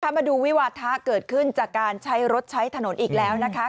มาดูวิวาทะเกิดขึ้นจากการใช้รถใช้ถนนอีกแล้วนะคะ